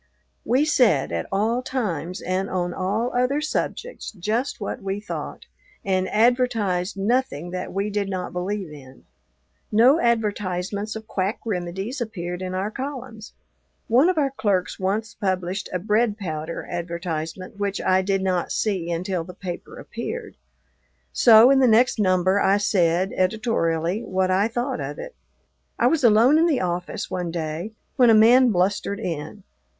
We said at all times and on all other subjects just what we thought, and advertised nothing that we did not believe in. No advertisements of quack remedies appeared in our columns. One of our clerks once published a bread powder advertisement, which I did not see until the paper appeared; so, in the next number, I said, editorially, what I thought of it. I was alone in the office, one day, when a man blustered in.